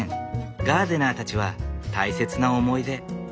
ガーデナーたちは大切な思い出。